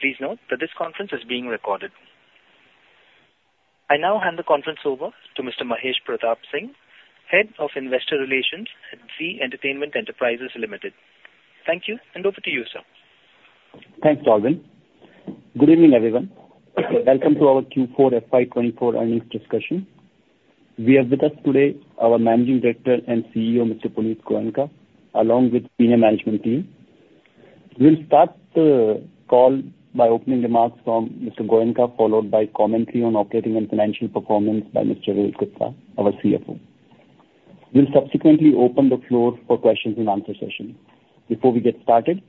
Please note that this conference is being recorded. I now hand the conference over to Mr. Mahesh Pratap Singh, Head of Investor Relations at Zee Entertainment Enterprises Limited. Thank you, and over to you, sir. Thanks, Alvin. Good evening, everyone. Welcome to our Q4 FY 2024 earnings discussion. We have with us today our Managing Director and CEO, Mr. Punit Goenka, along with senior management team. We'll start the call by opening remarks from Mr. Goenka, followed by commentary on operating and financial performance by Mr. Rohit Gupta, our CFO. We'll subsequently open the floor for questions and answer session. Before we get started,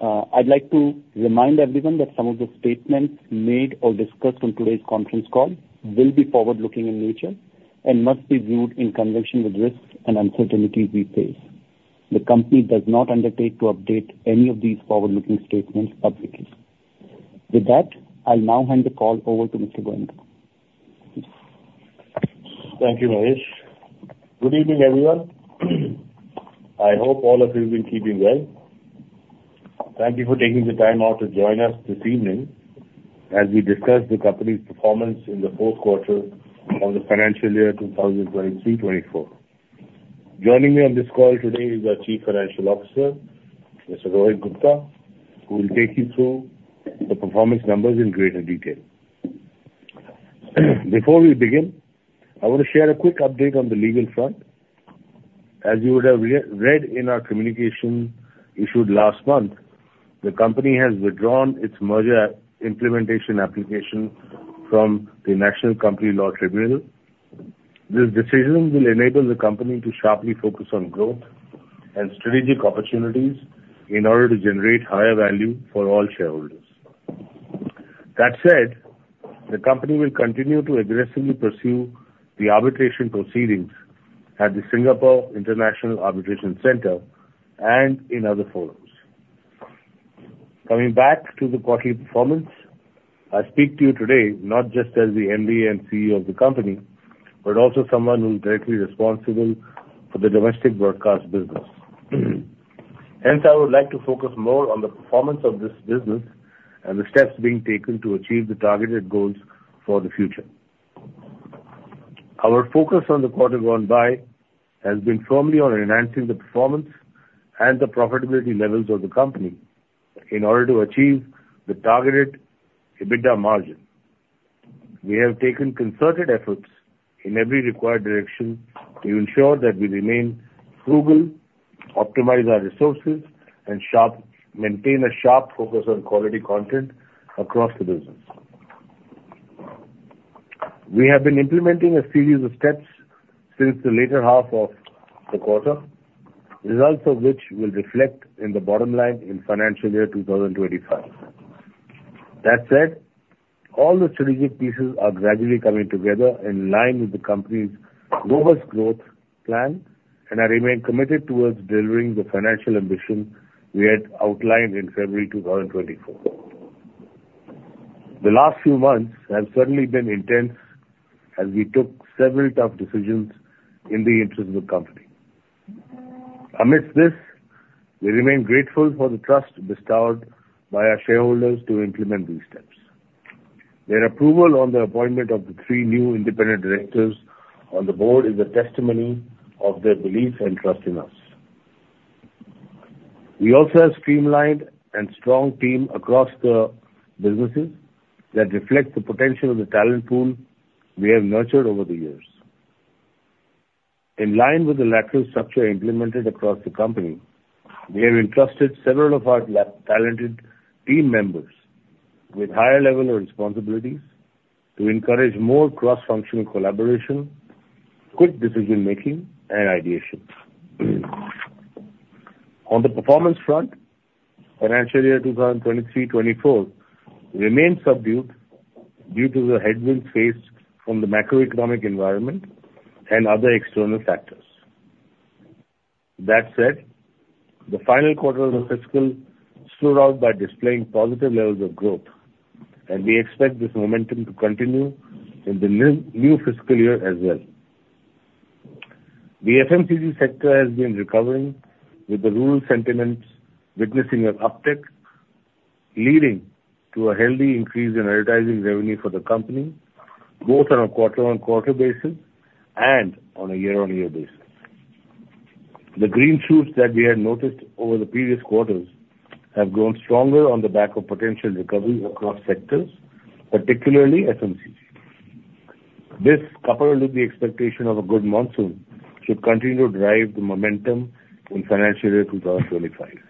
I'd like to remind everyone that some of the statements made or discussed on today's conference call will be forward-looking in nature and must be viewed in conjunction with risks and uncertainties we face. The company does not undertake to update any of these forward-looking statements publicly. With that, I'll now hand the call over to Mr. Goenka. Thank you, Mahesh. Good evening, everyone. I hope all of you have been keeping well. Thank you for taking the time out to join us this evening as we discuss the company's performance in the fourth quarter of the financial year 2023-24. Joining me on this call today is our Chief Financial Officer, Mr. Rohit Gupta, who will take you through the performance numbers in greater detail. Before we begin, I want to share a quick update on the legal front. As you would have read in our communication issued last month, the company has withdrawn its merger implementation application from the National Company Law Tribunal. This decision will enable the company to sharply focus on growth and strategic opportunities in order to generate higher value for all shareholders. That said, the company will continue to aggressively pursue the arbitration proceedings at the Singapore International Arbitration Center and in other forums. Coming back to the quarterly performance, I speak to you today not just as the MD and CEO of the company, but also someone who is directly responsible for the domestic broadcast business. Hence, I would like to focus more on the performance of this business and the steps being taken to achieve the targeted goals for the future. Our focus on the quarter gone by has been firmly on enhancing the performance and the profitability levels of the company in order to achieve the targeted EBITDA margin. We have taken concerted efforts in every required direction to ensure that we remain frugal, optimize our resources, and maintain a sharp focus on quality content across the business. We have been implementing a series of steps since the latter half of the quarter, results of which will reflect in the bottom line in financial year 2025. That said, all the strategic pieces are gradually coming together in line with the company's robust growth plan, and I remain committed towards delivering the financial ambition we had outlined in February 2024. The last few months have certainly been intense as we took several tough decisions in the interest of the company. Amidst this, we remain grateful for the trust bestowed by our shareholders to implement these steps. Their approval on the appointment of the three new independent directors on the board is a testimony of their belief and trust in us. We also have streamlined and strong team across the businesses that reflect the potential of the talent pool we have nurtured over the years. In line with the lateral structure implemented across the company, we have entrusted several of our talented team members with higher level of responsibilities to encourage more cross-functional collaboration, quick decision-making, and ideation. On the performance front, financial year 2023-24 remained subdued due to the headwinds faced from the macroeconomic environment and other external factors. That said, the final quarter of the fiscal stood out by displaying positive levels of growth, and we expect this momentum to continue in the new fiscal year as well. The FMCG sector has been recovering, with the rural sentiments witnessing an uptick, leading to a healthy increase in advertising revenue for the company, both on a quarter-on-quarter basis and on a year-on-year basis. The green shoots that we had noticed over the previous quarters have grown stronger on the back of potential recovery across sectors, particularly FMCG. This, coupled with the expectation of a good monsoon, should continue to drive the momentum in financial year 2025.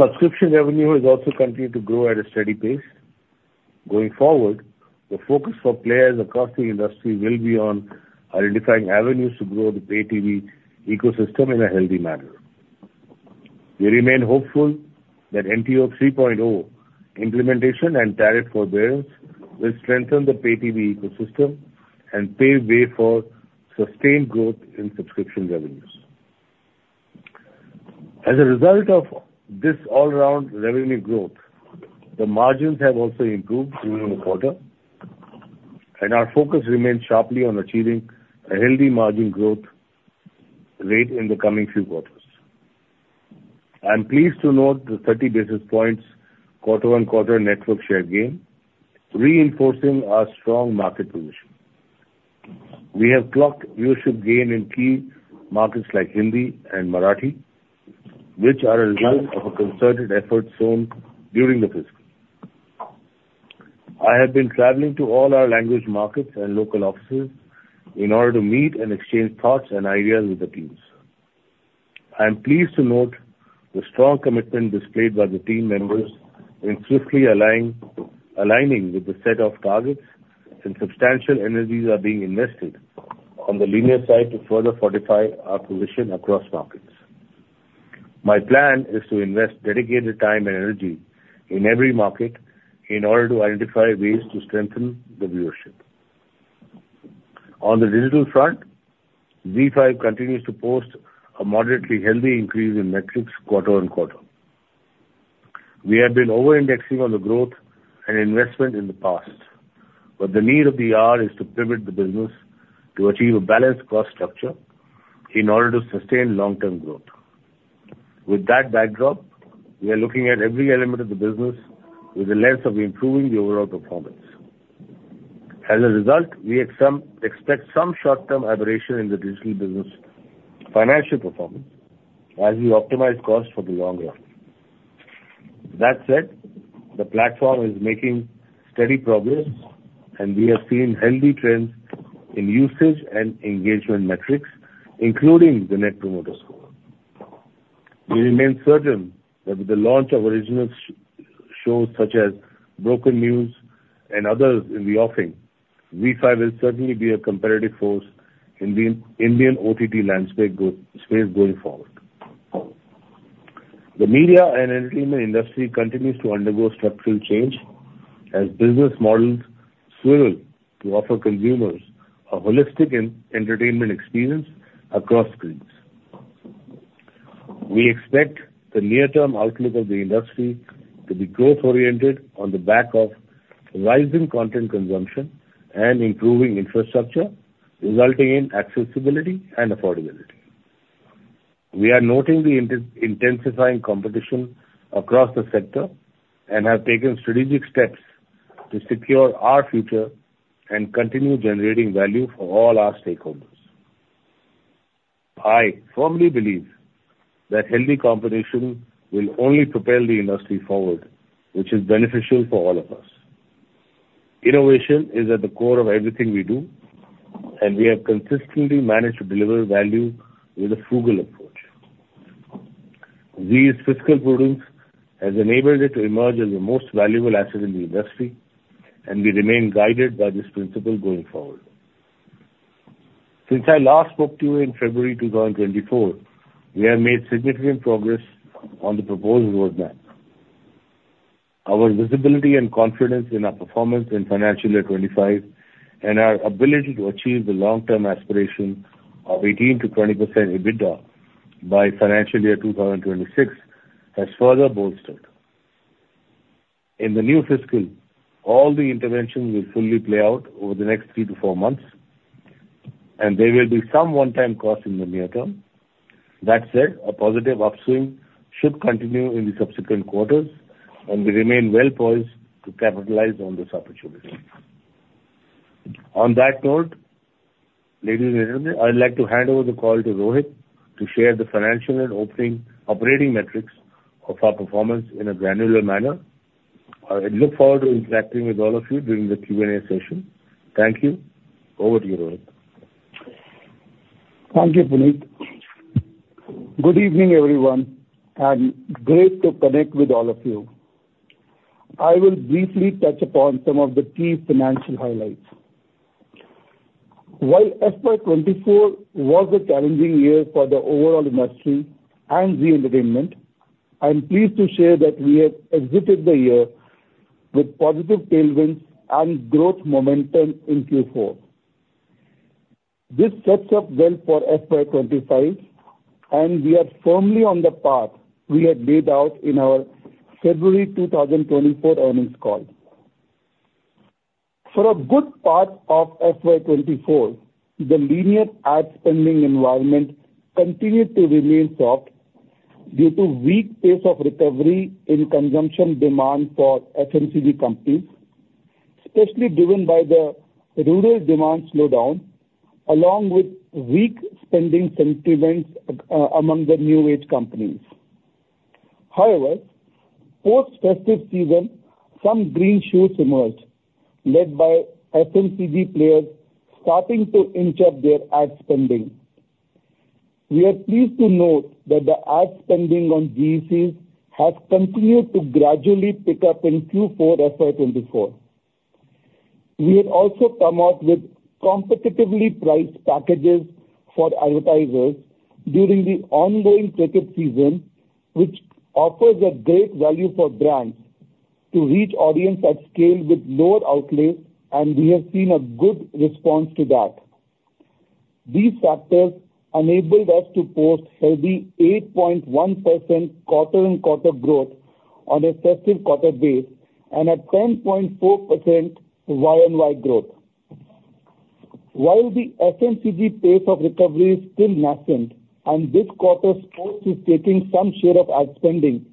Subscription revenue has also continued to grow at a steady pace. Going forward, the focus for players across the industry will be on identifying avenues to grow the pay TV ecosystem in a healthy manner. We remain hopeful that NTO 3.0 implementation and tariff forbearance will strengthen the pay TV ecosystem and pave way for sustained growth in subscription revenues. As a result of this all-round revenue growth, the margins have also improved during the quarter, and our focus remains sharply on achieving a healthy margin growth rate in the coming few quarters. I am pleased to note the 30 basis points quarter-on-quarter network share gain, reinforcing our strong market position. We have clocked viewership gain in key markets like Hindi and Marathi, which are a result of a concerted effort shown during the fiscal. I have been traveling to all our language markets and local offices in order to meet and exchange thoughts and ideas with the teams. I am pleased to note the strong commitment displayed by the team members in swiftly aligning with the set of targets, and substantial energies are being invested on the linear side to further fortify our position across markets. My plan is to invest dedicated time and energy in every market in order to identify ways to strengthen the viewership. On the digital front, ZEE5 continues to post a moderately healthy increase in metrics quarter on quarter. We have been over-indexing on the growth and investment in the past, but the need of the hour is to pivot the business to achieve a balanced cost structure in order to sustain long-term growth. With that backdrop, we are looking at every element of the business with the lens of improving the overall performance. As a result, we expect some short-term aberration in the digital business financial performance as we optimize costs for the long run. That said, the platform is making steady progress, and we have seen healthy trends in usage and engagement metrics, including the net promoter score. We remain certain that with the launch of original shows, such as Broken News and others in the offing, ZEE5 will certainly be a competitive force in the Indian OTT landscape space going forward. The media and entertainment industry continues to undergo structural change as business models swivel to offer consumers a holistic entertainment experience across screens. We expect the near-term outlook of the industry to be growth-oriented on the back of rising content consumption and improving infrastructure, resulting in accessibility and affordability. We are noting the intensifying competition across the sector and have taken strategic steps to secure our future and continue generating value for all our stakeholders. I firmly believe that healthy competition will only propel the industry forward, which is beneficial for all of us. Innovation is at the core of everything we do, and we have consistently managed to deliver value with a frugal approach. These fiscal prudence has enabled it to emerge as the most valuable asset in the industry, and we remain guided by this principle going forward. Since I last spoke to you in February 2024, we have made significant progress on the proposed roadmap. Our visibility and confidence in our performance in financial year 2025 and our ability to achieve the long-term aspiration of 18%-20% EBITDA by financial year 2026 has further bolstered. In the new fiscal, all the interventions will fully play out over the next 3-4 months, and there will be some one-time costs in the near term. That said, a positive upswing should continue in the subsequent quarters, and we remain well poised to capitalize on this opportunity. On that note, ladies and gentlemen, I'd like to hand over the call to Rohit to share the financial and operating metrics of our performance in a granular manner. I look forward to interacting with all of you during the Q&A session. Thank you. Over to you, Rohit. Thank you, Punit. Good evening, everyone, and great to connect with all of you. I will briefly touch upon some of the key financial highlights. While FY 2024 was a challenging year for the overall industry and Zee Entertainment, I am pleased to share that we have exited the year with positive tailwinds and growth momentum in Q4. This sets up well for FY 2025, and we are firmly on the path we had laid out in our February 2024 earnings call. For a good part of FY 2024, the linear ad spending environment continued to remain soft due to weak pace of recovery in consumption demand for FMCG companies, especially driven by the rural demand slowdown, along with weak spending sentiments among the new age companies. However, post-festive season, some green shoots emerged, led by FMCG players starting to inch up their ad spending. We are pleased to note that the ad spending on GECs has continued to gradually pick up in Q4 FY 2024. We have also come out with competitively priced packages for advertisers during the ongoing cricket season, which offers a great value for brands to reach audience at scale with lower outlays, and we have seen a good response to that. These factors enabled us to post healthy 8.1% quarter-on-quarter growth on a festive quarter base and a 10.4% year-on-year growth. While the FMCG pace of recovery is still nascent and this quarter's sports is taking some share of ad spending,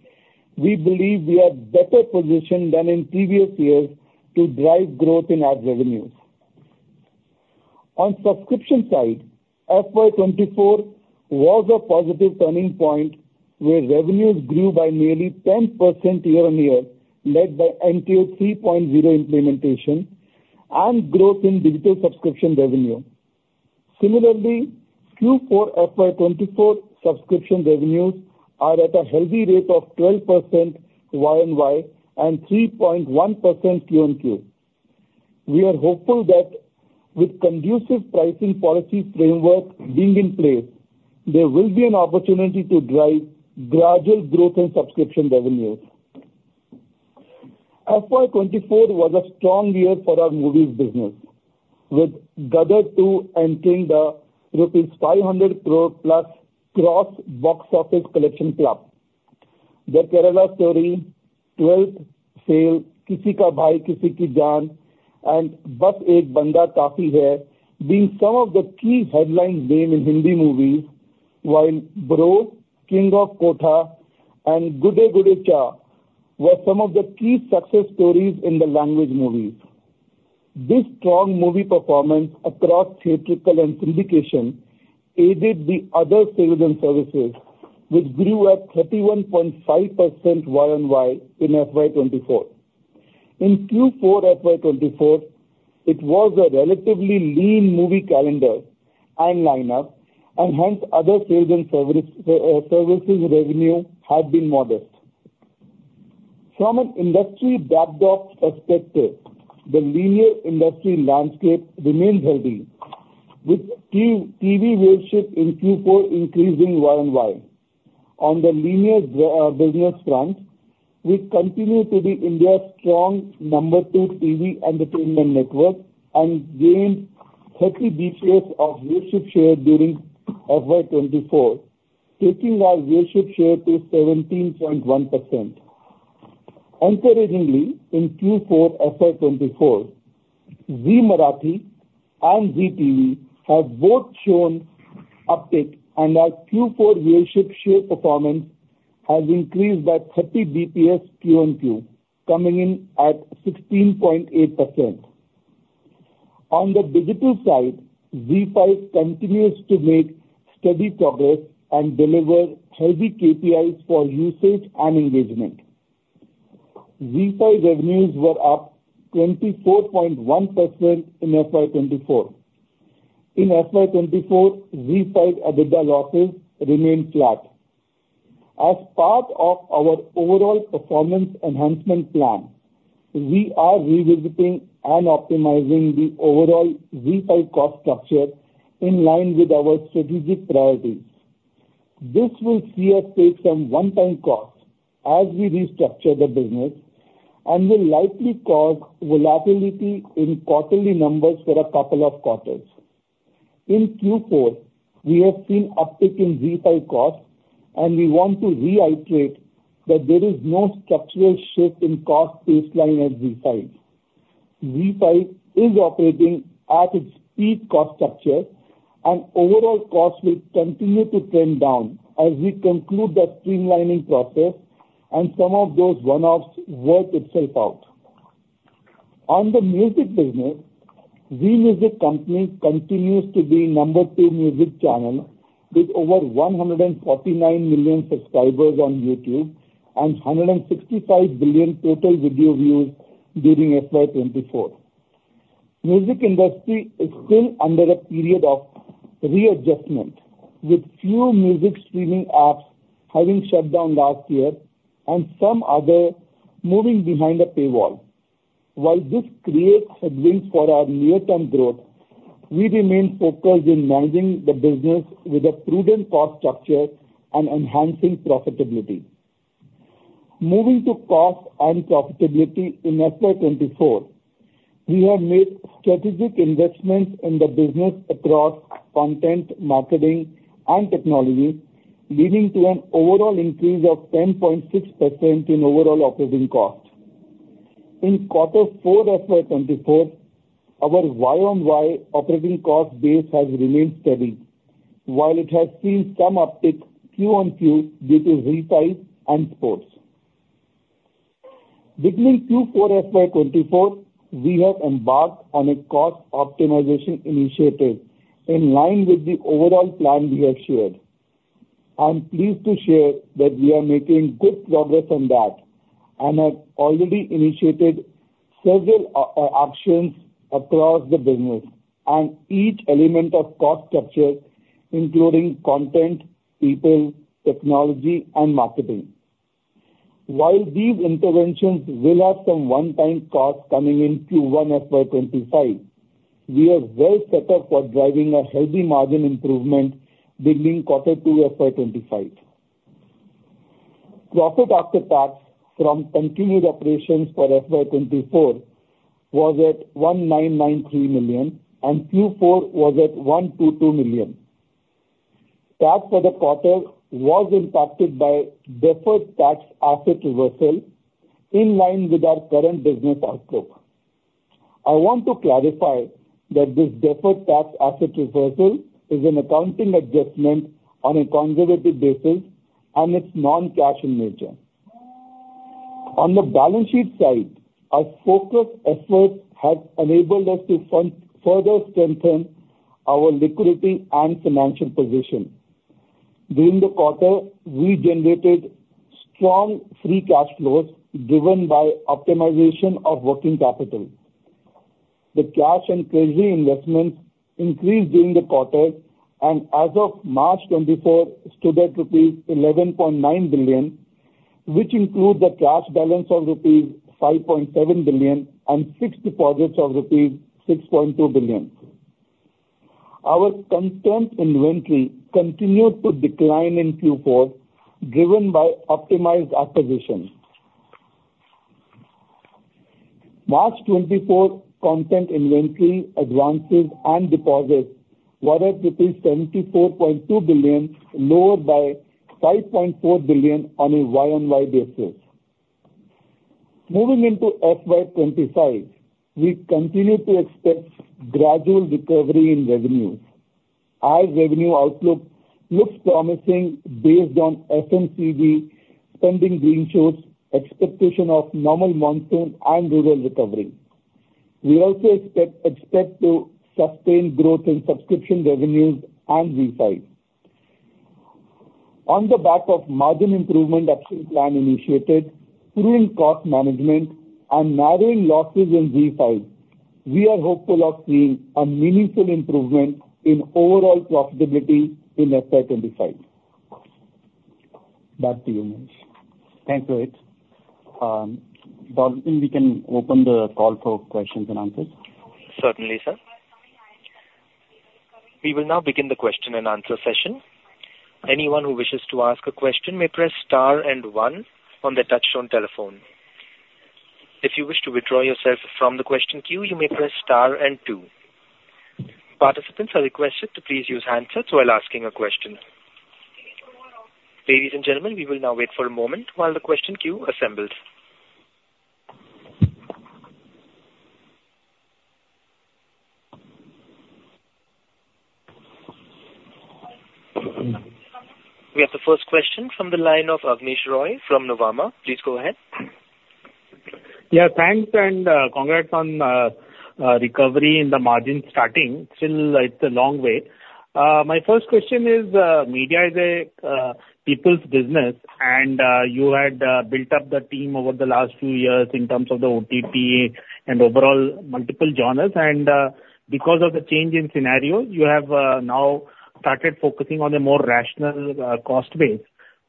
we believe we are better positioned than in previous years to drive growth in ad revenues. On subscription side, FY 2024 was a positive turning point, where revenues grew by nearly 10% year-on-year, led by NTO 3.0 implementation and growth in digital subscription revenue. Similarly, Q4 FY 2024 subscription revenues are at a healthy rate of 12% year-on-year and 3.1% Q-on-Q. We are hopeful that with conducive pricing policy framework being in place, there will be an opportunity to drive gradual growth in subscription revenues. FY 2024 was a strong year for our movies business, with Gadar 2 entering the rupees 500 crore+ gross box office collection club. The Kerala Story, 12th Fail, Kisi Ka Bhai Kisi Ki Jaan, and Sirf Ek Bandaa Kaafi Hai being some of the key headline names in Hindi movies, while Bro, King of Kotha, and Godday Godday Chaa were some of the key success stories in the language movies. This strong movie performance across theatrical and syndication aided the other sales and services, which grew at 31.5% year-on-year in FY 2024. In Q4 FY 2024, it was a relatively lean movie calendar and lineup, and hence other sales and services revenue have been modest. From an industry backdrop perspective, the linear industry landscape remains healthy, with TV viewership in Q4 increasing year-on-year. On the linear, business front, we continue to be India's strong number two TV entertainment network and gained 30 basis points of viewership share during FY 2024, taking our viewership share to 17.1%. Encouragingly, in Q4 FY 2024, Zee Marathi and Zee TV have both shown uptick, and our Q4 viewership share performance has increased by 30 basis points quarter-on-quarter, coming in at 16.8%. On the digital side, ZEE5 continues to make steady progress and deliver healthy KPIs for usage and engagement. ZEE5 revenues were up 24.1% in FY 2024. In FY 2024, ZEE5 EBITDA losses remained flat. As part of our overall performance enhancement plan, we are revisiting and optimizing the overall ZEE5 cost structure in line with our strategic priorities. This will see us take some one-time costs as we restructure the business and will likely cause volatility in quarterly numbers for a couple of quarters. In Q4, we have seen uptick in ZEE5 costs, and we want to reiterate that there is no structural shift in cost baseline at ZEE5. ZEE5 is operating at its peak cost structure, and overall costs will continue to trend down as we conclude the streamlining process and some of those one-offs work itself out. On the music business, Zee Music Company continues to be number two music channel, with over 149 million subscribers on YouTube and 165 billion total video views during FY 2024. Music industry is still under a period of readjustment, with few music streaming apps having shut down last year and some other moving behind a paywall. While this creates headwinds for our near-term growth, we remain focused in managing the business with a prudent cost structure and enhancing profitability. Moving to cost and profitability in FY 2024, we have made strategic investments in the business across content, marketing, and technology, leading to an overall increase of 10.6% in overall operating costs. In quarter four FY 2024, our year-on-year operating cost base has remained steady, while it has seen some uptick Q-on-Q due to Zee5 and sports. Beginning Q4 FY 2024, we have embarked on a cost optimization initiative in line with the overall plan we have shared. I'm pleased to share that we are making good progress on that and have already initiated several actions across the business and each element of cost structure, including content, people, technology, and marketing. While these interventions will have some one-time costs coming in Q1 FY 2025, we are well set up for driving a healthy margin improvement beginning quarter two FY 2025. Profit after tax from continued operations for FY 2024 was at 1,993 million, and Q4 was at INR 122 million. Tax for the quarter was impacted by deferred tax asset reversal in line with our current business outlook. I want to clarify that this deferred tax asset reversal is an accounting adjustment on a conservative basis, and it's non-cash in nature. On the balance sheet side, our focused efforts have enabled us to further strengthen our liquidity and financial position. During the quarter, we generated strong free cash flows, driven by optimization of working capital. The cash and treasury investments increased during the quarter, and as of March 2024, stood at rupees 11.9 billion, which includes a cash balance of rupees 5.7 billion and fixed deposits of rupees 6.2 billion. Our content inventory continued to decline in Q4, driven by optimized acquisitions. March 2024 content inventory advances and deposits were at rupees 74.2 billion, lower by 5.4 billion on a YoY basis. Moving into FY 2025, we continue to expect gradual recovery in revenues as revenue outlook looks promising based on FMCG spending green shoots, expectation of normal monsoon and rural recovery. We also expect to sustain growth in subscription revenues and ZEE5. On the back of margin improvement action plan initiated, improving cost management and narrowing losses in ZEE5, we are hopeful of seeing a meaningful improvement in overall profitability in FY 25. Back to you, Mahesh. Thanks, Rohit. Dalton, we can open the call for questions and answers. Certainly, sir. We will now begin the question and answer session. Anyone who wishes to ask a question may press star and one on their touchtone telephone. If you wish to withdraw yourself from the question queue, you may press star and two. Participants are requested to please use handsets while asking a question. Ladies and gentlemen, we will now wait for a moment while the question queue assembles. We have the first question from the line of Abneesh Roy from Nuvama. Please go ahead. Yeah, thanks, and, congrats on, recovery in the margin starting. Still, it's a long way. My first question is, media is a, people's business, and, you had built up the team over the last few years in terms of the OTT and overall multiple genres. And, because of the change in scenario, you have now started focusing on a more rational, cost base.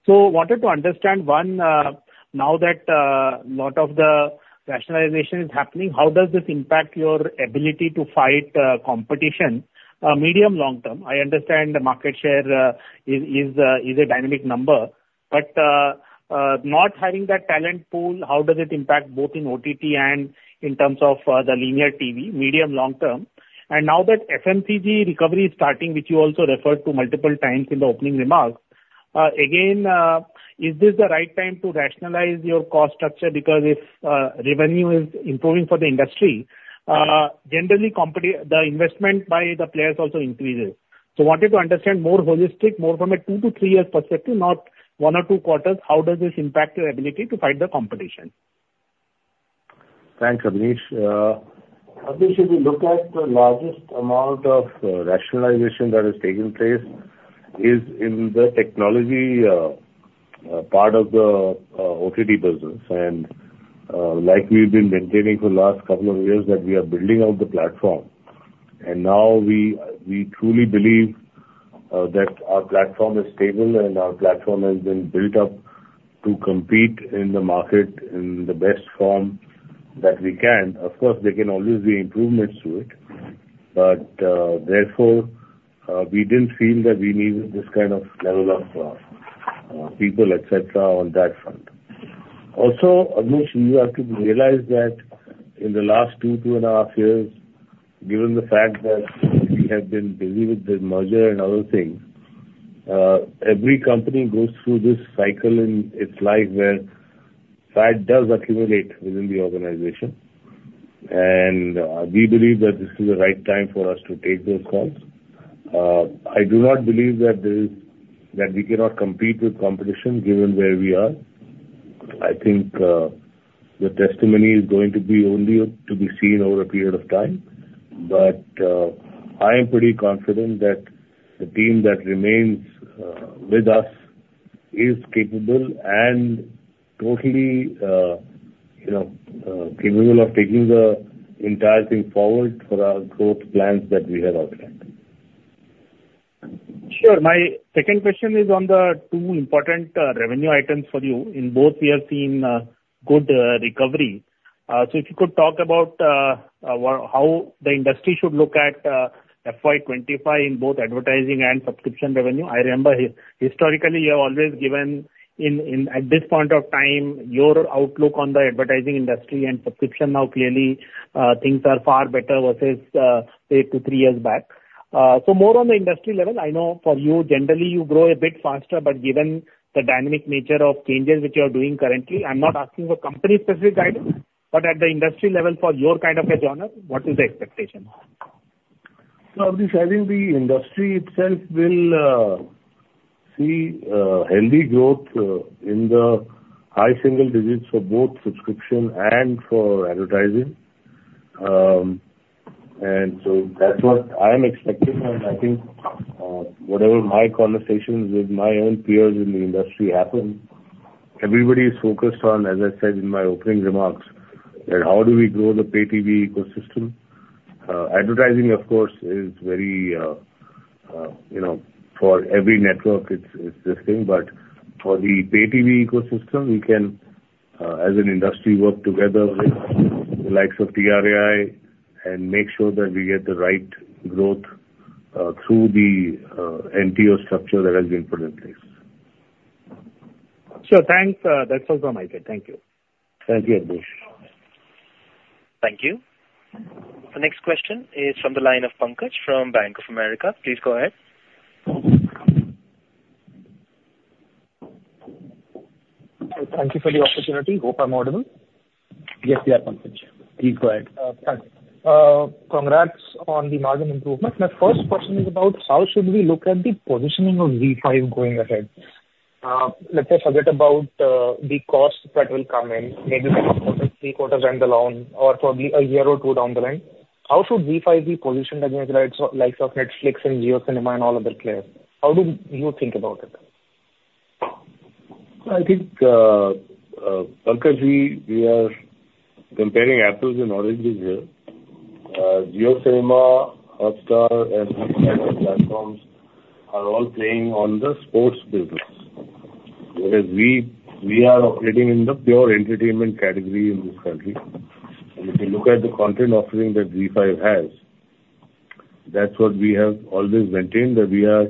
So wanted to understand, one, now that, lot of the rationalization is happening, how does this impact your ability to fight, competition, medium long term? I understand the market share is a dynamic number, but, not having that talent pool, how does it impact both in OTT and in terms of, the linear TV, medium long term? Now that FMCG recovery is starting, which you also referred to multiple times in the opening remarks, again, is this the right time to rationalize your cost structure? Because if revenue is improving for the industry, generally the investment by the players also increases. So wanted to understand more holistic, more from a two- to three-year perspective, not one or two quarters. How does this impact your ability to fight the competition? Thanks, Abneesh. Abneesh, if you look at the largest amount of rationalization that has taken place, is in the technology part of the OTT business. Like we've been maintaining for the last couple of years, that we are building out the platform. Now we, we truly believe that our platform is stable and our platform has been built up to compete in the market in the best form that we can. Of course, there can always be improvements to it, but therefore we didn't feel that we needed this kind of level of people, et cetera, on that front. Also, Abneesh, you have to realize that in the last 2 to 2.5 years, given the fact that we have been busy with this merger and other things, every company goes through this cycle in its life, where fat does accumulate within the organization. And we believe that this is the right time for us to take those calls. I do not believe that there is that we cannot compete with competition, given where we are. I think the testimony is going to be only to be seen over a period of time. But I am pretty confident that the team that remains with us is capable and totally, you know, capable of taking the entire thing forward for our growth plans that we have outlined. Sure. My second question is on the two important revenue items for you. In both, we have seen good recovery. So if you could talk about what, how the industry should look at FY 25 in both advertising and subscription revenue. I remember historically, you have always given in, in, at this point of time, your outlook on the advertising industry and subscription. Now, clearly, things are far better versus, say, 2, 3 years back. So more on the industry level, I know for you, generally, you grow a bit faster, but given the dynamic nature of changes which you are doing currently, I'm not asking for company-specific guidance, but at the industry level, for your kind of a genre, what is the expectation? So Abneesh, I think the industry itself will see healthy growth in the high single digits for both subscription and for advertising. And so that's what I am expecting. And I think whatever my conversations with my own peers in the industry happen, everybody is focused on, as I said in my opening remarks, that how do we grow the pay TV ecosystem? Advertising, of course, is very, you know, for every network it's this thing. But for the pay TV ecosystem, we can, as an industry, work together with the likes of TRAI and make sure that we get the right growth through the MTO structure that has been put in place. Sure. Thanks. That's all from my side. Thank you. Thank you, Abneesh. Thank you. The next question is from the line of Pankaj from Bank of America. Please go ahead. Thank you for the opportunity. Hope I'm audible. Yes, we are, Pankaj. Please go ahead. Thanks. Congrats on the margin improvement. My first question is about how should we look at the positioning of ZEE5 going ahead? Let's just forget about, the cost that will come in, maybe three quarters end along or for a year or two down the line. How should ZEE5 be positioned against the likes, likes of Netflix and JioCinema and all other players? How do you think about it? I think, Pankaj, we are comparing apples and oranges here. JioCinema, Hotstar and these type of platforms are all playing on the sports business. Whereas we are operating in the pure entertainment category in this country. And if you look at the content offering that ZEE5 has, that's what we have always maintained, that we are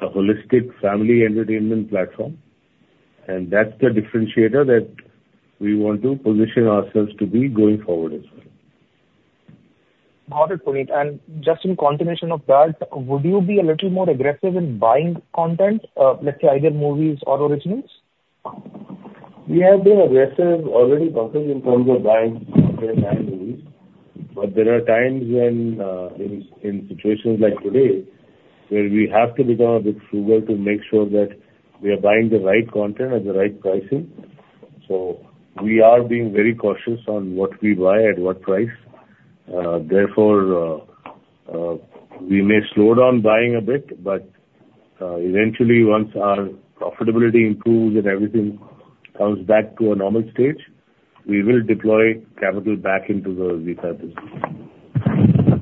a holistic family entertainment platform, and that's the differentiator that we want to position ourselves to be going forward as well. Got it, Punit. And just in continuation of that, would you be a little more aggressive in buying content, let's say either movies or originals? We have been aggressive already, Pankaj, in terms of buying content and movies. But there are times when, in situations like today, where we have to become a bit frugal to make sure that we are buying the right content at the right pricing. So we are being very cautious on what we buy, at what price. Therefore, we may slow down buying a bit, but, eventually, once our profitability improves and everything comes back to a normal stage, we will deploy capital back into the ZEE5 business.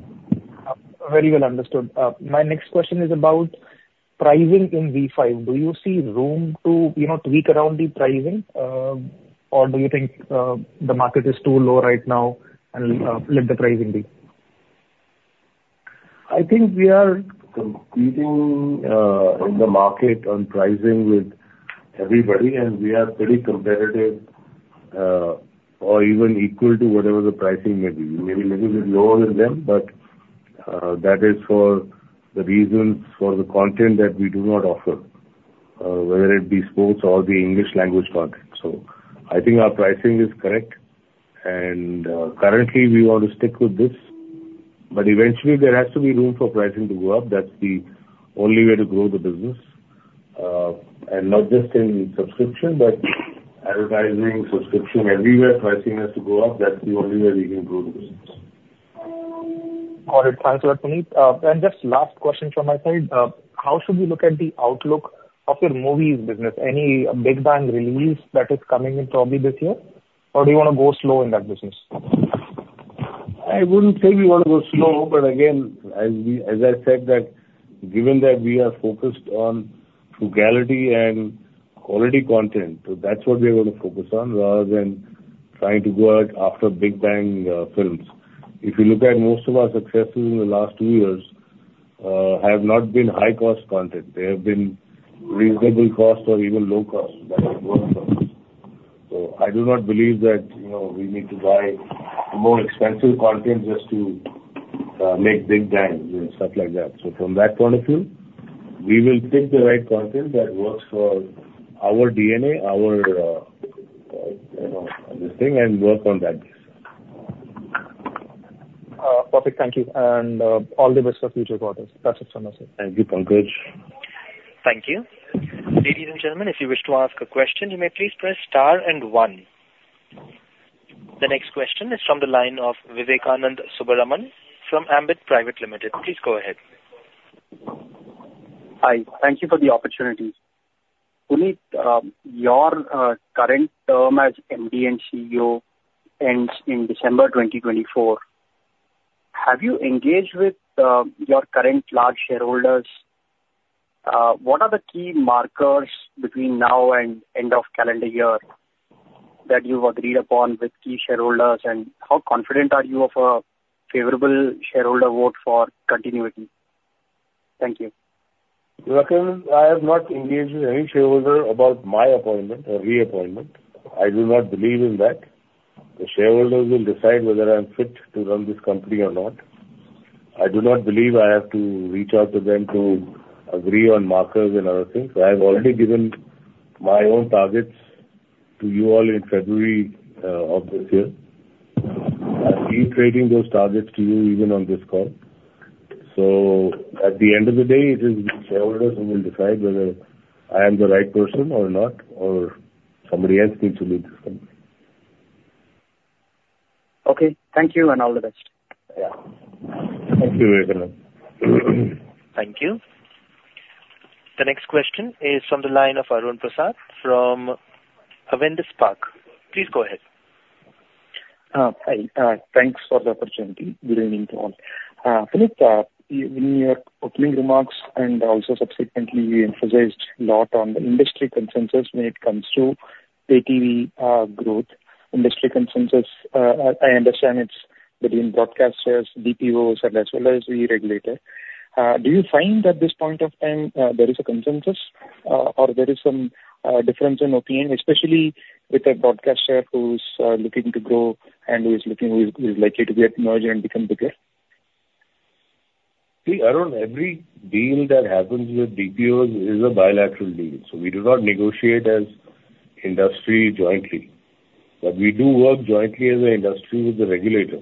Very well understood. My next question is about pricing in ZEE5. Do you see room to, you know, tweak around the pricing, or do you think, the market is too low right now and, let the pricing be? I think we are competing in the market on pricing with everybody, and we are pretty competitive or even equal to whatever the pricing may be. Maybe a little bit lower than them, but that is for the reasons for the content that we do not offer whether it be sports or the English language content. So I think our pricing is correct, and currently we want to stick with this, but eventually there has to be room for pricing to go up. That's the only way to grow the business. And not just in subscription, but advertising, subscription, everywhere pricing has to go up. That's the only way we can grow the business. Got it. Thanks for that, Punit. Just last question from my side. How should we look at the outlook of your movies business? Any big bang release that is coming in probably this year, or do you wanna go slow in that business? I wouldn't say we want to go slow, but again, as we, as I said, that given that we are focused on frugality and quality content, so that's what we are gonna focus on, rather than trying to go out after big bang, films. If you look at most of our successes in the last two years, have not been high-cost content. They have been reasonable cost or even low cost, that have worked well. So I do not believe that, you know, we need to buy more expensive content just to, make big bangs and stuff like that. So from that point of view, we will pick the right content that works for our DNA, our, you know, this thing, and work on that basis. Perfect. Thank you. And all the best for future quarters. That's it from us. Thank you, Pankaj. Thank you. Ladies and gentlemen, if you wish to ask a question, you may please press star and one. The next question is from the line of Vivekanand Subbaraman from Ambit Private Limited. Please go ahead. Hi, thank you for the opportunity. Punit, your current term as MD and CEO ends in December 2024. Have you engaged with your current large shareholders? What are the key markers between now and end of calendar year that you've agreed upon with key shareholders, and how confident are you of a favorable shareholder vote for continuity? Thank you. Vivek, I have not engaged with any shareholder about my appointment or reappointment. I do not believe in that. The shareholders will decide whether I'm fit to run this company or not. I do not believe I have to reach out to them to agree on markers and other things. I have already given my own targets to you all in February of this year. I've reiterated those targets to you even on this call. So at the end of the day, it is the shareholders who will decide whether I am the right person or not, or somebody else needs to lead this company. Okay, thank you, and all the best. Yeah. Thank you, Vivek. Thank you. The next question is from the line of Arun Prasath from Avendus Spark. Please go ahead. Hi. Thanks for the opportunity. Good evening to all. Punit, in your opening remarks, and also subsequently, you emphasized a lot on the industry consensus when it comes to ATV growth. Industry consensus, I understand it's between broadcasters, DPOs, and as well as the regulator. Do you find at this point of time, there is a consensus, or there is some difference in opinion, especially with a broadcaster who's looking to grow and who is looking, who is likely to get merger and become bigger? See, Arun, every deal that happens with DPO is a bilateral deal. So we do not negotiate as industry jointly. But we do work jointly as an industry with the regulator,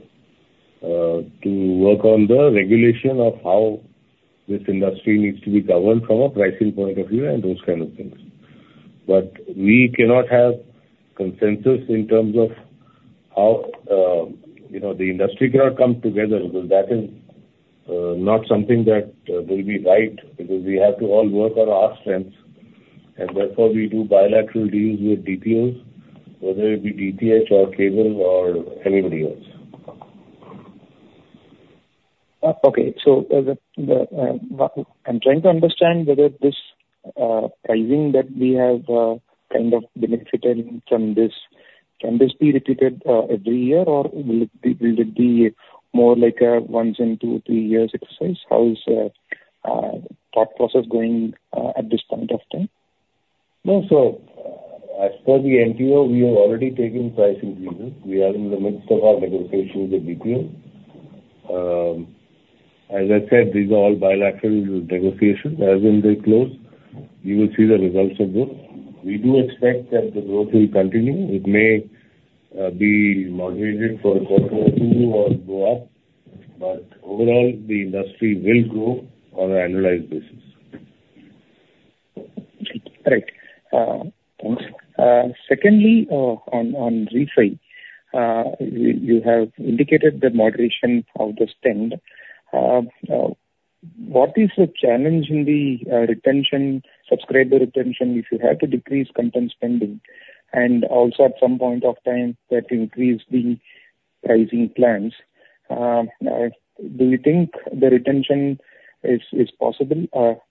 to work on the regulation of how this industry needs to be governed from a pricing point of view and those kind of things. But we cannot have consensus in terms of how, you know, the industry cannot come together, because that is, not something that will be right, because we have to all work on our strengths, and therefore we do bilateral deals with DPOs, whether it be DTH or cable or anybody else. Okay. So, I'm trying to understand whether this pricing that we have kind of benefited from this, can this be repeated every year, or will it be more like a once in two, three years exercise? How is that process going at this point of time? No. So, as per the MPO, we have already taken price increases. We are in the midst of our negotiations with DPO. As I said, these are all bilateral negotiations. As when they close, you will see the results of this. We do expect that the growth will continue. It may, be moderated for a quarter or two or go up, but overall, the industry will grow on an annualized basis. Right. Thanks. Secondly, on ZEE5, you have indicated the moderation of the spend. What is the challenge in the retention, subscriber retention, if you have to decrease content spending, and also at some point of time, have to increase the pricing plans? Do you think the retention is possible, or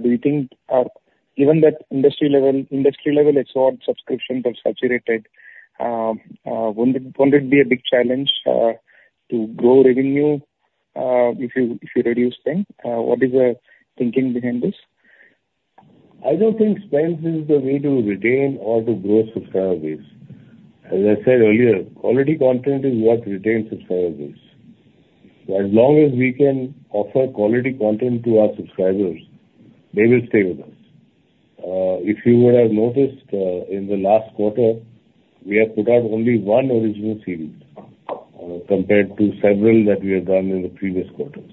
do you think even that industry level, it's all subscriptions are saturated. Won't it be a big challenge to grow revenue, if you reduce spend? What is the thinking behind this? I don't think spend is the way to retain or to grow subscriber base. As I said earlier, quality content is what retains subscriber base. As long as we can offer quality content to our subscribers, they will stay with us. If you would have noticed, in the last quarter, we have put out only one original series, compared to several that we have done in the previous quarters.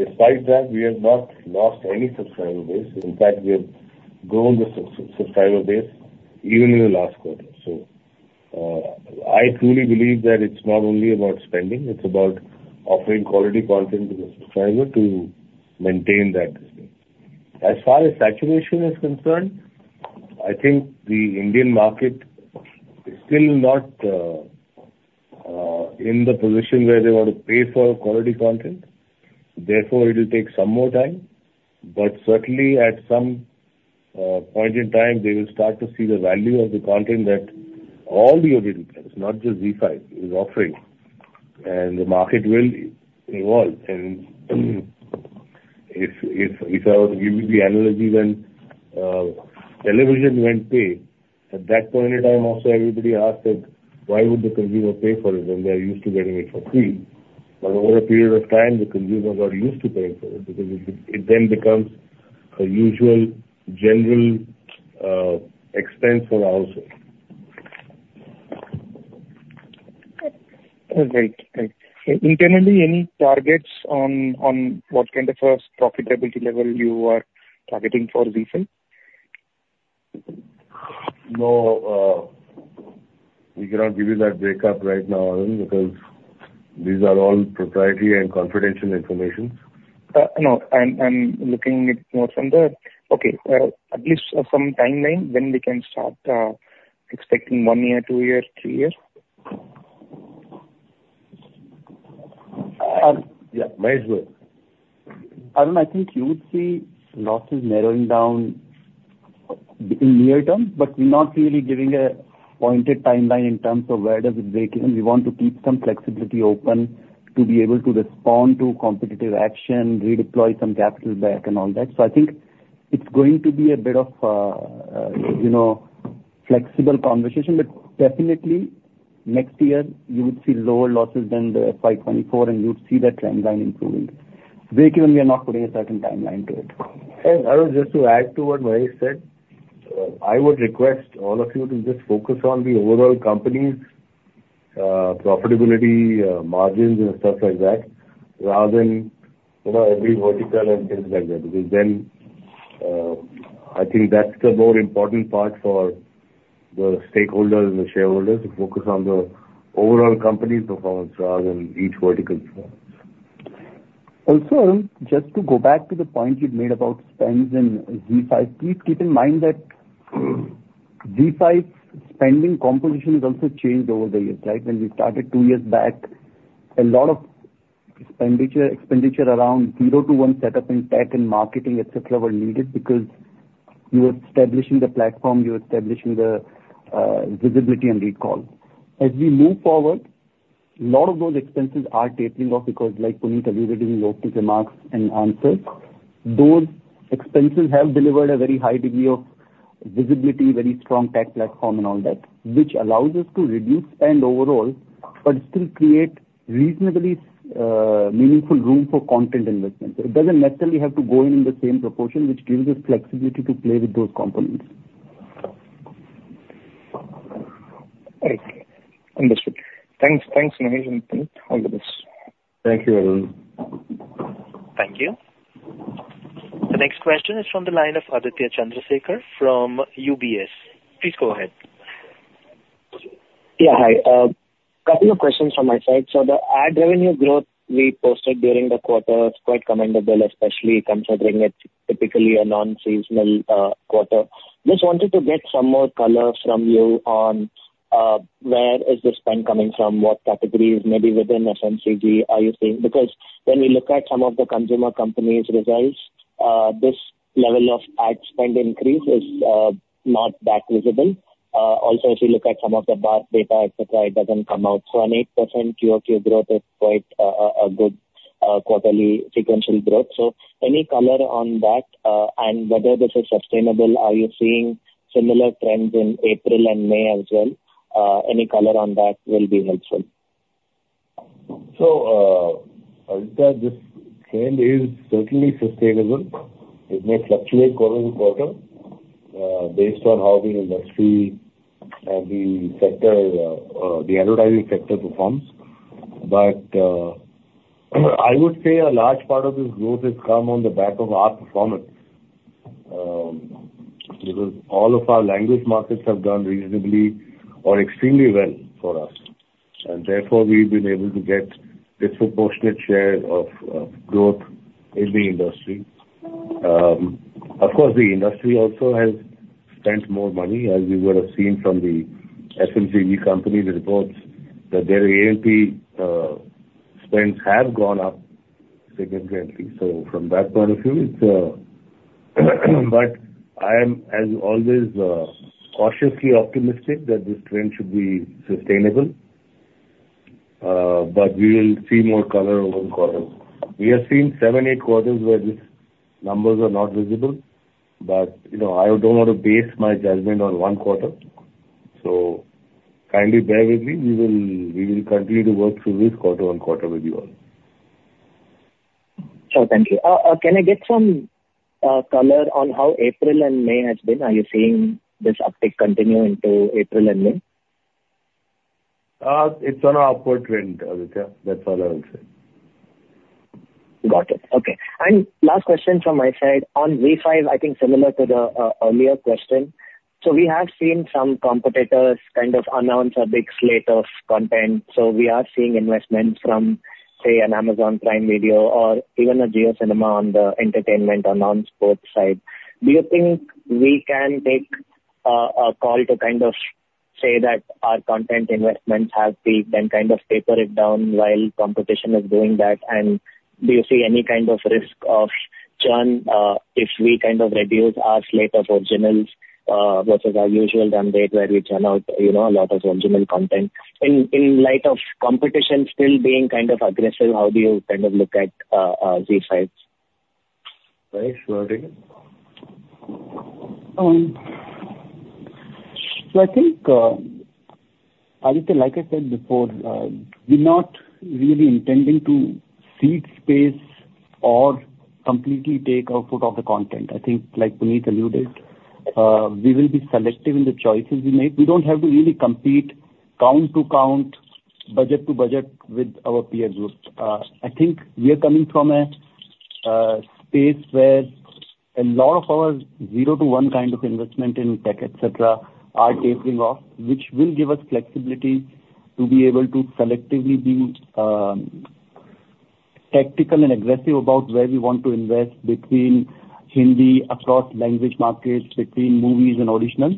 Despite that, we have not lost any subscriber base. In fact, we have grown the subscriber base even in the last quarter. So, I truly believe that it's not only about spending, it's about offering quality content to the subscriber to maintain that. As far as saturation is concerned, I think the Indian market is still not in the position where they want to pay for quality content. Therefore, it will take some more time. But certainly at some point in time, they will start to see the value of the content that all the OTT players, not just ZEE5, is offering, and the market will evolve. And if I was to give you the analogy when television went pay, at that point in time also, everybody asked that, "Why would the consumer pay for it when they are used to getting it for free?" But over a period of time, the consumers got used to paying for it, because it then becomes a usual general expense for the household. Great. Thank you. Internally, any targets on, on what kind of a profitability level you are targeting for Zee5? No, we cannot give you that breakup right now, Arun, because these are all proprietary and confidential information. No, I'm looking it more from the- okay, at least some timeline when we can start expecting one year, two years, three years? Yeah, Mahesh, go ahead. Arun, I think you would see losses narrowing down in near term, but we're not really giving a pointed timeline in terms of where does it breakeven. We want to keep some flexibility open to be able to respond to competitive action, redeploy some capital back and all that. So I think it's going to be a bit of, you know, flexible conversation, but definitely next year you would see lower losses than the FY24, and you'd see that trend line improving. Breakeven, we are not putting a certain timeline to it. And Arun, just to add to what Mahesh said, I would request all of you to just focus on the overall company's profitability, margins and stuff like that, rather than, you know, every vertical and things like that. Because then, I think that's the more important part for the stakeholders and the shareholders to focus on the overall company's performance rather than each vertical performance. Also, Arun, just to go back to the point you made about spends and ZEE5. Please keep in mind that ZEE5 spending composition has also changed over the years, right? When we started two years back, a lot of expenditure around zero to one setup in tech and marketing, et cetera, were needed because you were establishing the platform, you were establishing the visibility and recall. As we move forward, a lot of those expenses are tapering off because like Punit alluded in his opening remarks and answers, those expenses have delivered a very high degree of visibility, very strong tech platform and all that, which allows us to reduce spend overall, but still create reasonably meaningful room for content investment. So it doesn't necessarily have to go in the same proportion, which gives us flexibility to play with those components. Right. Understood. Thanks. Thanks, Mahesh and Punit. All the best. Thank you, Arun. Thank you. The next question is from the line of Aditya Chandrasekar from UBS. Please go ahead. Yeah, hi. Couple of questions from my side. So the ad revenue growth we posted during the quarter is quite commendable, especially considering it's typically a non-seasonal quarter. Just wanted to get some more color from you on where is the spend coming from, what categories maybe within FMCG are you seeing? Because when we look at some of the consumer companies' results, this level of ad spend increase is not that visible. Also, if you look at some of the bar data, et cetera, it doesn't come out. So an 8% QOQ growth is quite a good quarterly sequential growth. So any color on that, and whether this is sustainable, are you seeing similar trends in April and May as well? Any color on that will be helpful. So, Aditya, this trend is certainly sustainable. It may fluctuate quarter-over-quarter, based on how the industry and the sector, the advertising sector performs. But, I would say a large part of this growth has come on the back of our performance, because all of our language markets have done reasonably or extremely well for us, and therefore, we've been able to get disproportionate share of growth in the industry. Of course, the industry also has spent more money, as you would have seen from the FMCG company reports, that their A&P spends have gone up significantly. So from that point of view, it's, but I am, as always, cautiously optimistic that this trend should be sustainable, but we will see more color over the quarter. We have seen 7, 8 quarters where these numbers are not visible, but, you know, I don't want to base my judgment on 1 quarter. So kindly bear with me. We will, we will continue to work through this quarter-on-quarter with you all. Sure. Thank you. Can I get some color on how April and May has been? Are you seeing this uptick continue into April and May? It's on an upward trend, Aditya. That's all I will say. Got it. Okay. Last question from my side. On ZEE5, I think similar to the earlier question. So we have seen some competitors kind of announce a big slate of content. So we are seeing investments from, say, an Amazon Prime Video or even a JioCinema on the entertainment or non-sports side. Do you think we can take a call to kind of say that our content investments have peaked and kind of taper it down while competition is doing that? And do you see any kind of risk of churn if we kind of reduce our slate of originals versus our usual run rate, where we churn out, you know, a lot of original content? In light of competition still being kind of aggressive, how do you kind of look at ZEE5? Mahesh, do you want to take it? So I think, Aditya, like I said before, we're not really intending to cede space or completely take our foot off the content. I think like Punit alluded, we will be selective in the choices we make. We don't have to really compete count to count, budget to budget with our peer group. I think we are coming from a space where a lot of our zero to one kind of investment in tech, et cetera, are tapering off, which will give us flexibility to be able to selectively be tactical and aggressive about where we want to invest between Hindi, across language markets, between movies and originals.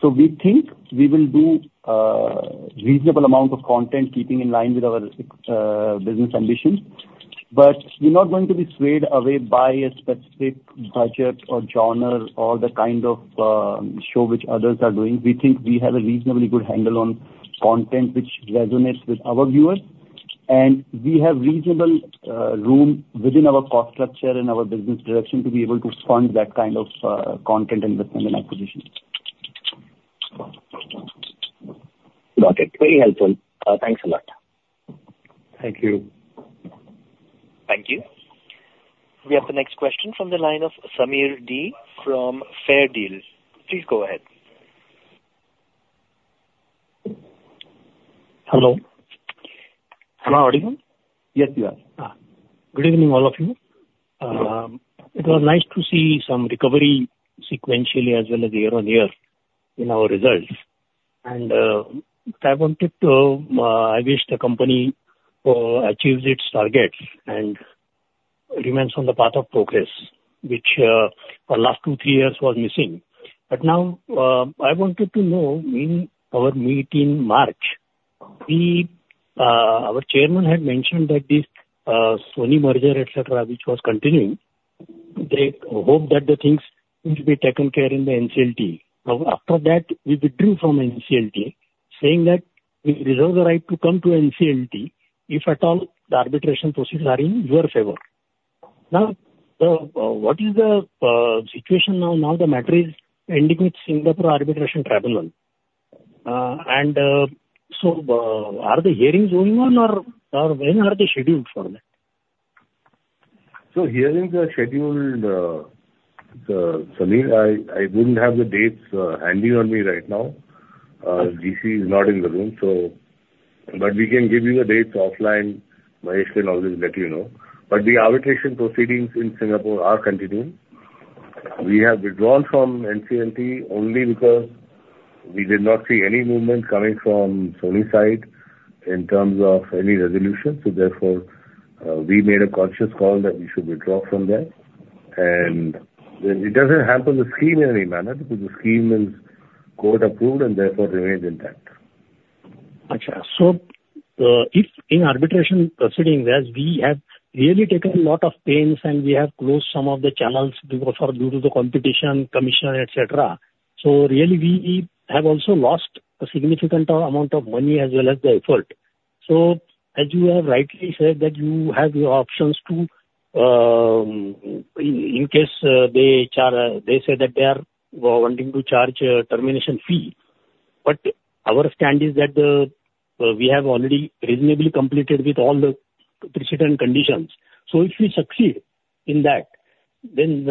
So we think we will do a reasonable amount of content keeping in line with our business ambitions. But we're not going to be swayed away by a specific budget or genre or the kind of show which others are doing. We think we have a reasonably good handle on content which resonates with our viewers, and we have reasonable room within our cost structure and our business direction to be able to fund that kind of content investment and acquisition. Got it. Very helpful. Thanks a lot. Thank you. Thank you. We have the next question from the line of Samir D from Fairdeal. Please go ahead. Hello. Am I audible? Yes, you are. Ah. Good evening, all of you. It was nice to see some recovery sequentially as well as year-on-year in our results. I wanted to, I wish the company achieves its targets and remains on the path of progress, which, for last two, three years was missing. Now, I wanted to know, in our meet in March, we, our chairman had mentioned that this, Sony merger, et cetera, which was continuing, they hope that the things will be taken care in the NCLT. Now, after that, we withdrew from NCLT, saying that we reserve the right to come to NCLT if at all the arbitration procedures are in your favor. Now, what is the situation now? Now, the matter is ending with Singapore Arbitration Tribunal. So, are the hearings going on or when are they scheduled for that? So hearings are scheduled, Samir, I wouldn't have the dates handy on me right now. GC is not in the room, so but we can give you the dates offline. Mahesh can always let you know. But the arbitration proceedings in Singapore are continuing. We have withdrawn from NCLT only because we did not see any movement coming from Sony's side in terms of any resolution. So therefore, we made a conscious call that we should withdraw from there. And then it doesn't hamper the scheme in any manner, because the scheme is court-approved and therefore remains intact. Achha. So, if in arbitration proceedings, as we have really taken a lot of pains and we have closed some of the channels before due to the competition, commission, et cetera, so really we have also lost a significant amount of money as well as the effort. So as you have rightly said, that you have the options to, in case they charge, they say that they are wanting to charge a termination fee. But our stand is that we have already reasonably completed with all the precedent conditions. So if we succeed in that, then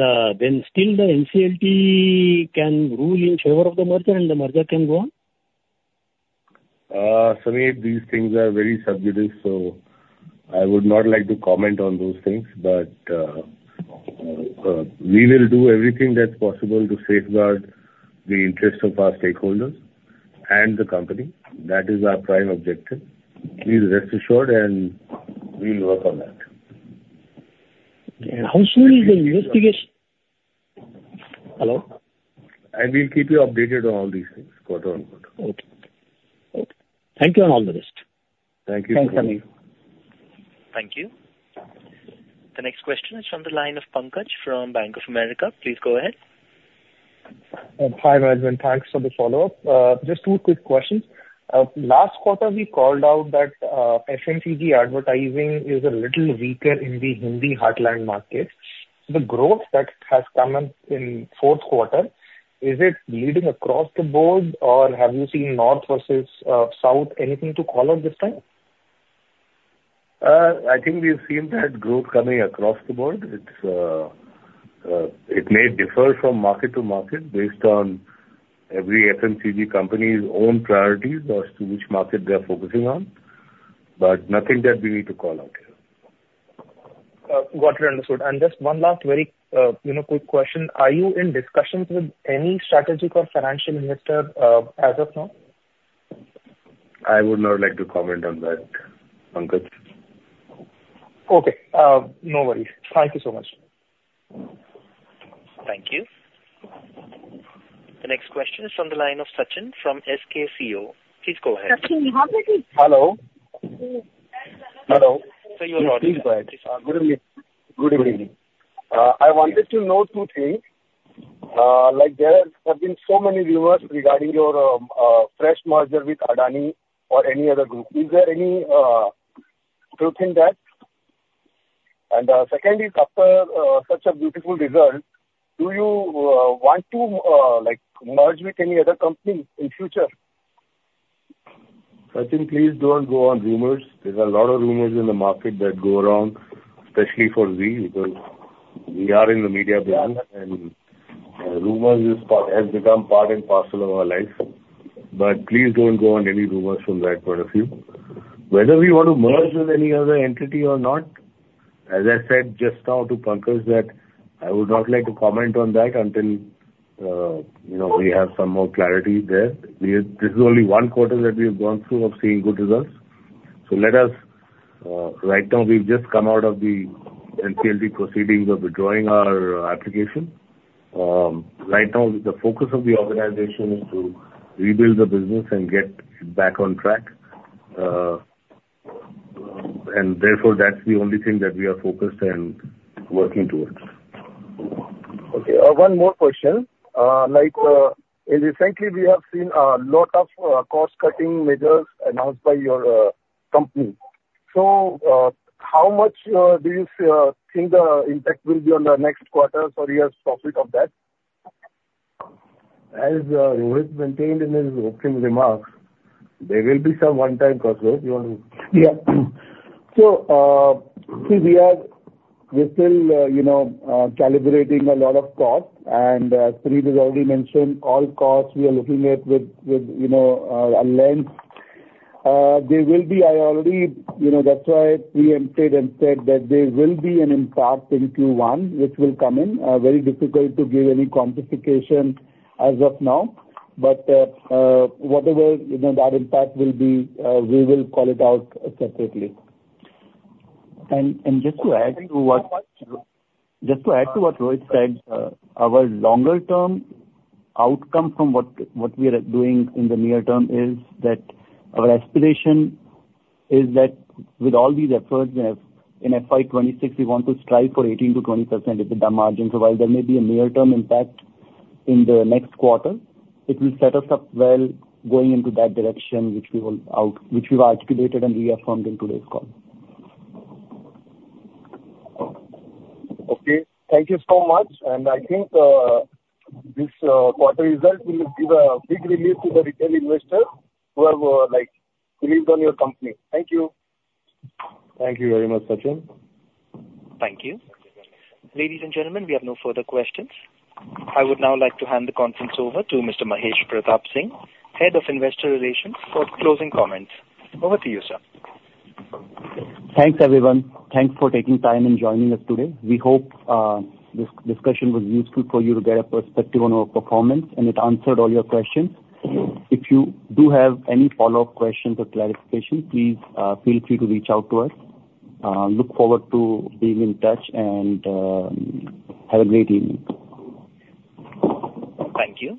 still the NCLT can rule in favor of the merger, and the merger can go on? Samir, these things are very subjective, so I would not like to comment on those things. But, we will do everything that's possible to safeguard the interest of our stakeholders and the company. That is our prime objective. Please rest assured, and we will work on that. How soon is the investigation? Hello? I will keep you updated on all these things quarter-on-quarter. Okay. Okay. Thank you, and all the best. Thank you. Thanks, Samir. Thank you. The next question is from the line of Pankaj from Bank of America. Please go ahead. Hi, management. Thanks for the follow-up. Just two quick questions. Last quarter, we called out that FMCG advertising is a little weaker in the Hindi heartland market. The growth that has come in, in fourth quarter, is it leading across the board, or have you seen north versus south? Anything to call out this time? I think we've seen that growth coming across the board. It may differ from market to market based on every FMCG company's own priorities as to which market they are focusing on, but nothing that we need to call out here. Got you, understood. Just one last very, you know, quick question: Are you in discussions with any strategic or financial investor, as of now? I would not like to comment on that, Pankaj. Okay. No worries. Thank you so much. Thank you. The next question is from the line of Sachin from SKCO. Please go ahead. Sachin, how are you? Hello? Hello. Sir, you can go ahead. Good evening. Good evening. I wanted to know two things. Like, there have been so many rumors regarding your fresh merger with Adani or any other group. Is there any truth in that? And, secondly, after such a beautiful result, do you want to like merge with any other company in future? Sachin, please don't go on rumors. There's a lot of rumors in the market that go around, especially for we, because we are in the media brand, and rumors is part, has become part and parcel of our life, but please don't go on any rumors from that point of view. Whether we want to merge with any other entity or not, as I said just now to Pankaj, that I would not like to comment on that until, you know, we have some more clarity there. This is only one quarter that we have gone through of seeing good results. So let us, right now, we've just come out of the NCLT proceedings of withdrawing our application. Right now, the focus of the organization is to rebuild the business and get back on track, and therefore, that's the only thing that we are focused and working towards. Okay, one more question. Like, in recently, we have seen a lot of cost-cutting measures announced by your company. So, how much do you think the impact will be on the next quarter or year's profit of that? As, Rohit maintained in his opening remarks, there will be some one-time costs. Rohit, you want to- Yeah. So, see, we are, we're still, you know, calibrating a lot of costs, and, Punit has already mentioned all costs we are looking at with, with, you know, a lens. There will be, I already, you know, that's why we entered and said that there will be an impact in Q1, which will come in. Very difficult to give any quantification as of now. But, whatever, you know, that impact will be, we will call it out separately. And just to add to what- Just to add to what Rohit said, our longer term outcome from what we are doing in the near term is that our aspiration is that with all these efforts, in FY 2026, we want to strive for 18%-20% EBITDA margins. So while there may be a near-term impact in the next quarter, it will set us up well going into that direction, which we've articulated and reaffirmed in today's call. Okay. Thank you so much, and I think, this quarter result will give a big relief to the retail investors who have, like, believed on your company. Thank you. Thank you very much, Sachin. Thank you. Ladies and gentlemen, we have no further questions. I would now like to hand the conference over to Mr. Mahesh Pratap Singh, Head of Investor Relations, for closing comments. Over to you, sir. Thanks, everyone. Thanks for taking time and joining us today. We hope, this discussion was useful for you to get a perspective on our performance, and it answered all your questions. If you do have any follow-up questions or clarifications, please, feel free to reach out to us. Look forward to being in touch, and, have a great evening. Thank you.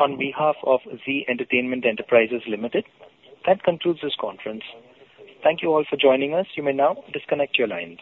On behalf of Zee Entertainment Enterprises Limited, that concludes this conference. Thank you all for joining us. You may now disconnect your lines.